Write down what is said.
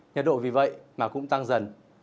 nhiệt độ vì vậy mà cũng tăng dần